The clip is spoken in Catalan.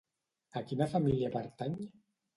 A quina família pertany?